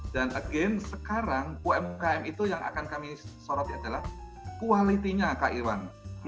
dan again sekarang umkm itu yang akan kami sorot adalah kualitinya kak irwan